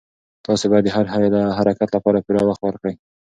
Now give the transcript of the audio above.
تاسي باید د هر حرکت لپاره پوره وخت ورکړئ.